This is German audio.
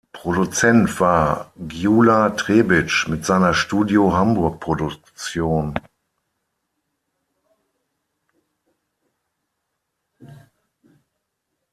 Produzent war Gyula Trebitsch mit seiner Studio Hamburg-Produktion.